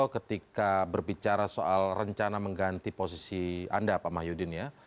ketika berbicara soal rencana mengganti posisi anda pak mahyudin ya